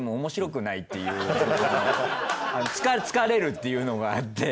疲れるっていうのがあって。